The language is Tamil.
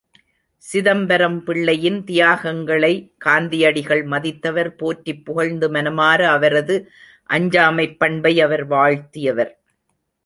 சிதம்பரம் பிள்ளையின் தியாகங்களை காந்தியடிகள் மதித்தவர் போற்றிப் புகழ்ந்து மனமார அவரது அஞ்சாமைப் பண்பை அவர் வாழ்த்தியவர்.